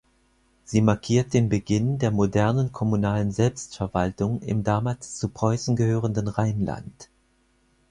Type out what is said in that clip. Sie markiert den Beginn der modernen kommunalen Selbstverwaltung im damals zu Preußen gehörenden Rheinland.